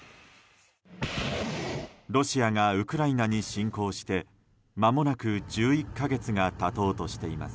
ロシアがウクライナに侵攻してまもなく１１か月が経とうとしています。